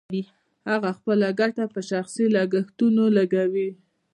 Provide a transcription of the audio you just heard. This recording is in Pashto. هغه خپله ګټه په شخصي لګښتونو لګوي